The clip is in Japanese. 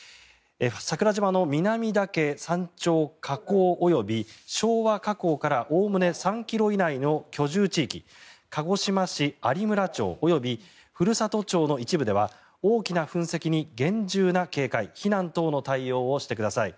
桜島の南岳山頂火口及び昭和火口からおおむね３ｋｍ以内の居住地域鹿児島市有村町及びフルサトチョウの一部では大きな噴石に厳重な警戒避難等の対応をしてください。